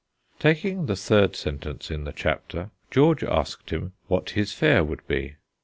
Taking the third sentence in the chapter, George asked him what his fare would be.